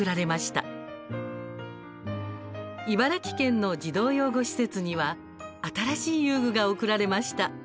茨城県の児童養護施設には新しい遊具が贈られました。